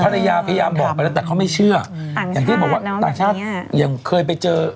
ธรรยาพยายามบอกไปแล้วแต่เขาไม่เชื่อต่างชาติเนอะอย่างที่บอกว่าต่างชาติอย่างเคยไปเจอ